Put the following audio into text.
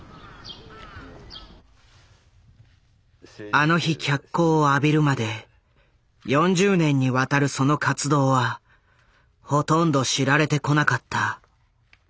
あの日脚光を浴びるまで４０年にわたるその活動はほとんど知られてこなかった。